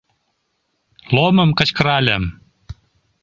Ломым кычкыральым.